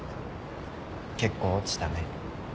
結構落ちたね。